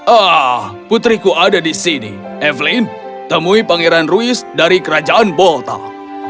ah putriku ada di sini evelyn temui pangeran louis dari kerajaan boltal